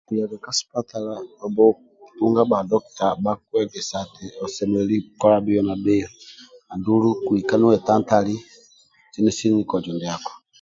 Okuyaga ka sipatala obhutunga bha dokita bhakuegesa eti osemelelu kola bhio na bhio andulu lika niwe tantali sini sini kozo ndiako